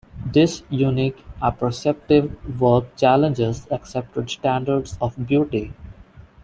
This uniquely apperceptive work challenges accepted standards of beauty.